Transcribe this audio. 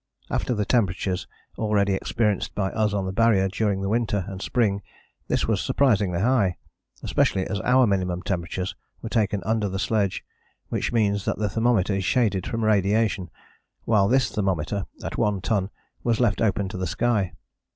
After the temperatures already experienced by us on the Barrier during the winter and spring this was surprisingly high, especially as our minimum temperatures were taken under the sledge, which means that the thermometer is shaded from radiation, while this thermometer at One Ton was left open to the sky.